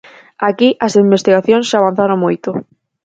Aquí as investigacións xa avanzaron moito.